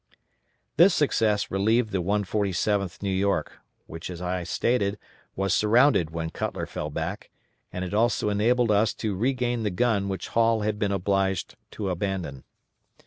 This success relieved the 147th New York, which, as I stated, was surrounded when Cutler fell back, and it also enabled us to regain the gun which Hall had been obliged to abandon.